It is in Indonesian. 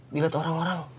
diliat orang orang